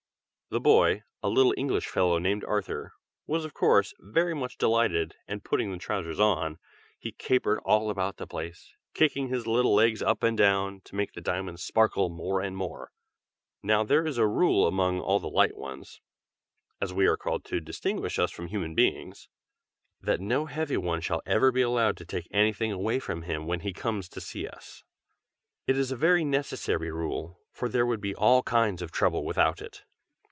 The boy, a little English fellow named Arthur, was of course, very much delighted, and putting the trousers on, he capered all about the palace, kicking his little legs up and down, to make the diamonds sparkle more and more. 'Now there is a rule among all the Light Ones (as we are called to distinguish us from human beings,) that no heavy one shall ever be allowed to take anything away with him when he comes to see us. It is a very necessary rule, for there would be all kinds of trouble without it.